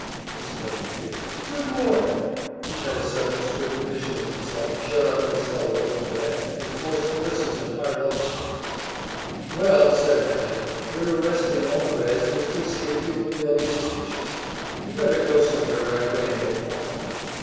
exclaimed Peter. "Good Lord!" He had a sudden swift vision of himself shut up in a cell with those Reds, and forced to listen to "hard luck stories." "Well," said Hammett, "we're arresting all the Reds, and if we skip you, they'll be suspicious. You better go somewhere right away and get caught."